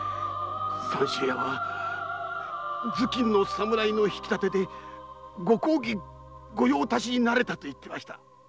三州屋は頭巾の侍の引き立てでご公儀御用達になれたと言っていました。